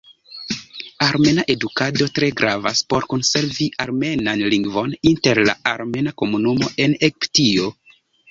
Armena edukado tre gravas por konservi armenan lingvon inter la armena komunumo en Egiptio.